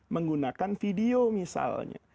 menggunakan video misalnya